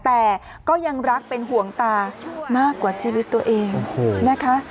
แต่ก็ยังรักเป็นห่วงตามากกว่าชีวิตตัวเองนะคะ